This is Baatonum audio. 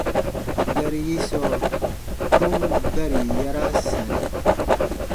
Gari yi sɔɔ kom gari yaraa sari.